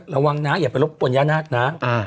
ระวังนะอย่าไปรบกวนย่านาคนะ